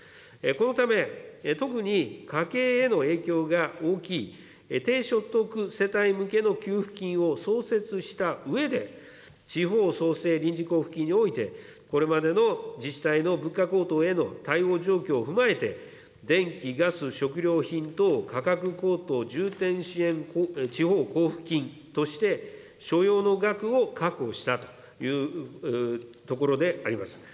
このため、特に家計への影響が大きい低所得世帯向けの給付金を創設したうえで、地方創生臨時交付金において、これまでの自治体の物価高騰への対応状況を踏まえて、電気、ガス、食料品等、価格高騰重点支援地方交付金として、所要の額を確保したというところであります。